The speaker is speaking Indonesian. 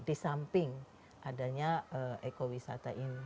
di samping adanya ekowisata ini